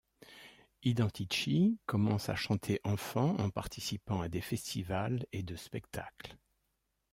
Identici commence à chanter enfant, en participant à des festivals et de spectacles.